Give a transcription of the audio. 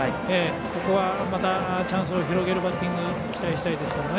ここはまたチャンスを広げるバッティング期待したいですね。